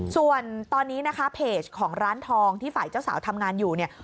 ส่วนตอนนี้นะคะเพจของร้านทองที่ฝ่ายเจ้าสาวทำงานอยู่เนี่ย